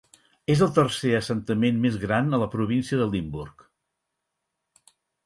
És el tercer assentament més gran a la província de Limburg.